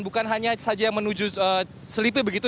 bukan hanya saja yang menuju selipi begitu